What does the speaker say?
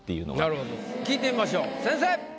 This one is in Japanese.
なるほど聞いてみましょう先生！